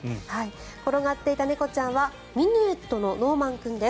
転がっていた猫ちゃんはミヌエットのノーマン君です。